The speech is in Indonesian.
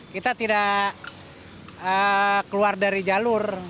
kita tidak keluar dari jalur